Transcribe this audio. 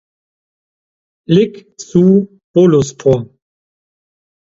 Lig zu Boluspor.